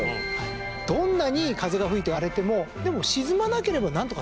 どんなに風が吹いて荒れてもでも沈まなければ何とかなると。